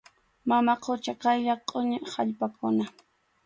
Mama qucha qaylla qʼuñi allpakuna.